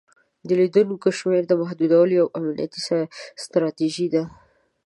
د لیدونکو شمیر محدودول یوه امنیتي ستراتیژي ده.